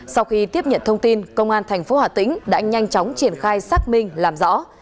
sau khi tiếp nhận thông tin công an tp hà tĩnh đã nhanh chóng triển khai xác minh làm rõ